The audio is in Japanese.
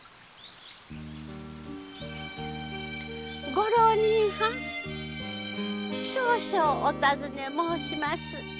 ご浪人はん少々お尋ね申します。